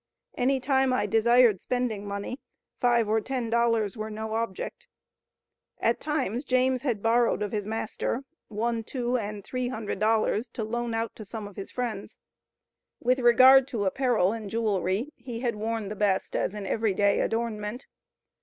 Any time I desired spending money, five or ten dollars were no object." At times, James had borrowed of his master, one, two, and three hundred dollars, to loan out to some of his friends. With regard to apparel and jewelry, he had worn the best, as an every day adornment.